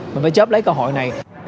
mình mới chấp lấy cơ hội này